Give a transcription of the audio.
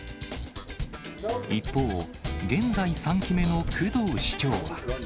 一方、現在３期目の工藤市長は。